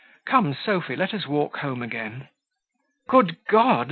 Come, Sophy, let us walk home again." "Good God!